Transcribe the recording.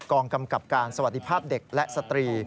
กองกำกับการสวัสดีภาพเด็กและสตรี